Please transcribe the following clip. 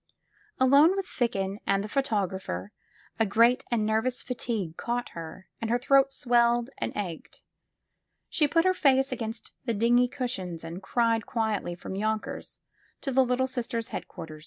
Alone with Ficken and the photographer, a great and nervous fatigue caught her and her throat swelled and ached. She put her face against the dingy cushions and cried quietly from Tonkers to the Little Sisters' head quarters.